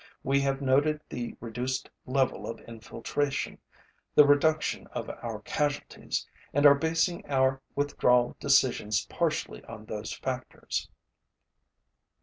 We have noted the reduced level of infiltration, the reduction of our casualties and are basing our withdrawal decisions partially on those factors.